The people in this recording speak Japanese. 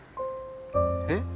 えっ？